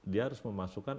dia harus memasukkan